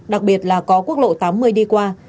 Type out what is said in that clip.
đặc biệt là có quốc lộ tám mươi đi qua